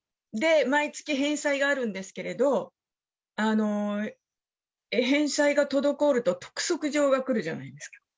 毎月返済があるんですけれど、返済が滞ると、督促状が来るじゃないですか。